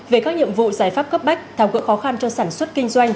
về các nhiệm vụ giải pháp cấp bách thảo gỡ khó khăn cho sản xuất kinh doanh